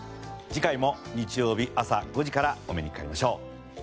次回も日曜日朝５時からお目にかかりましょう。